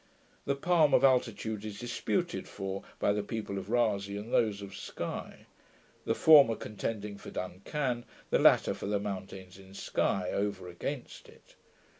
The palm of altitude is disputed for by the people of Rasay and those of Sky; the former contending for Dun Can, the latter for the mountains in Sky, over against it.